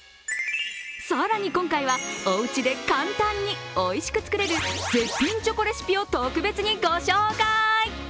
更に今回は、おうちで簡単においしく作れる絶品チョコレシピを特別にご紹介。